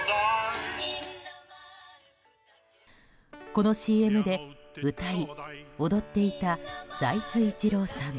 このＣＭで歌い、踊っていた財津一郎さん。